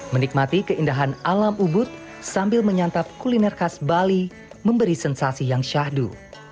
menikmati keindahan alam ubud sambil menyantap kuliner khas bali memberi sensasi yang syahdu